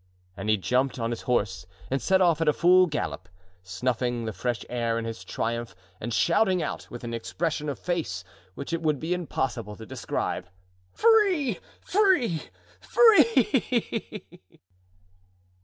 And he jumped on his horse and set off at full gallop, snuffing the fresh air in his triumph and shouting out, with an expression of face which it would be impossible to describe: "Free! free! free!"